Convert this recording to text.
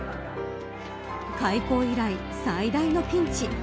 開校以来、最大のピンチ。